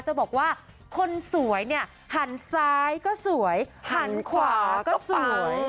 จะบอกว่าคนสวยเนี่ยหันซ้ายก็สวยหันขวาก็สวย